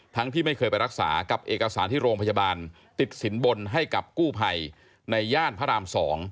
ที่ไม่เคยไปรักษากับเอกสารที่โรงพยาบาลติดสินบนให้กับกู้ภัยในย่านพระราม๒